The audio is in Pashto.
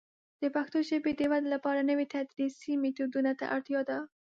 د پښتو ژبې د ودې لپاره نوي تدریسي میتودونه ته اړتیا ده.